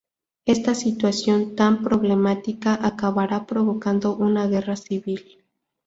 Esta situación tan problemática acabará provocando una guerra civil.